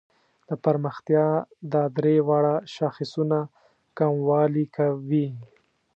د پرمختیا دا درې واړه شاخصونه کموالي کوي.